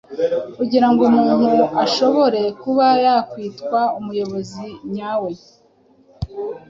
kugira ngo umuntu ashobore kuba yakwitwa umuyobozi nyawe.